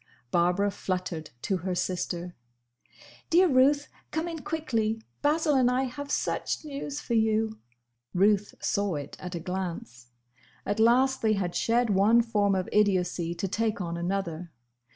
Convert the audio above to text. Barbara fluttered to her sister. "Dear Ruth! Come in quickly! Basil and I have such news for you!" Ruth saw it at a glance. At last they had shed one form of idiocy to take on another.